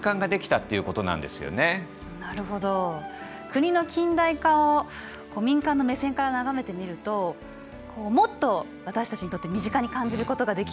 国の近代化を民間の目線から眺めてみるともっと私たちにとって身近に感じることができるかもしれないですね。